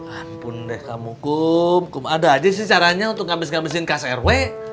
ampun deh kamu kum kum ada aja sih caranya untuk ngabis ngabisin kas rw